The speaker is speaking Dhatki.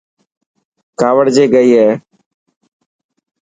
ڪاوڙجي گئي هي.